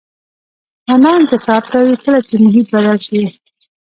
رڼا انکسار کوي کله چې محیط بدل شي.